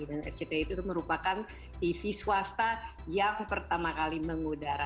dan rcti itu merupakan tv swasta yang pertama kali mengudara